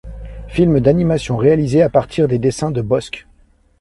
Film d'animation réalisé à partir des dessins de Bosc.